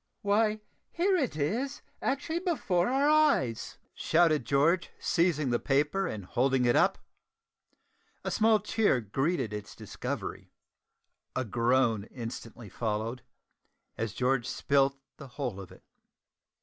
"Why, here it is, actually before our eyes!" shouted George, seizing the paper and holding it up. A small cheer greeted its discovery. A groan instantly followed, as George spilt the whole of it.